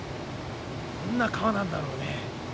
こんな川なんだろうね。